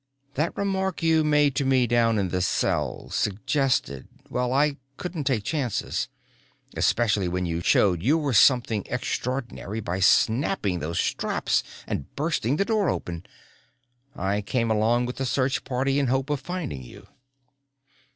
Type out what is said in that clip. That remark you made to me down in the cell suggested well, I couldn't take chances. Especially when you showed you were something extraordinary by snapping those straps and bursting the door open. I came along with the search party in hope of finding you."